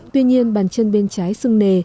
tuy nhiên bàn chân bên trái sưng nề